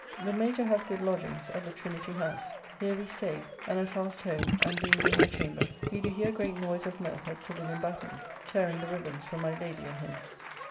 The Major bath good lodgings at the Trinity House. Here we staid, and at last home, and, being in my chamber, we do hear great noise of mirth at Sir William Batten's, tearing the ribbands from my Lady and him.